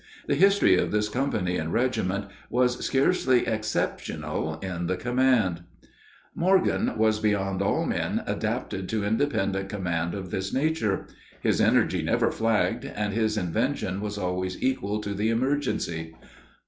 The history of this company and regiment was scarcely exceptional in the command. [Illustration: GENERAL JOHN H. MORGAN.] Morgan was beyond all men adapted to independent command of this nature. His energy never flagged, and his invention was always equal to the emergency.